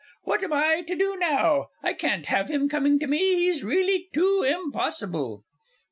What am I to do now? I can't have him coming to me he's really too impossible!